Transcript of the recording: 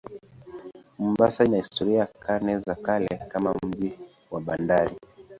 Mombasa ina historia ya karne za kale kama mji wa bandari.